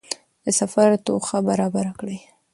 د سفر توښه برابره کړئ.